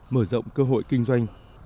mở rộng cơ hội kinh doanh